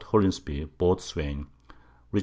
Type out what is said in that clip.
Hollinsby Boatswain, Rich.